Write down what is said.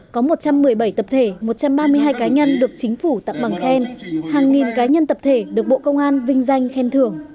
có một trăm một mươi bảy tập thể một trăm ba mươi hai cá nhân được chính phủ tặng bằng khen hàng nghìn cá nhân tập thể được bộ công an vinh danh khen thưởng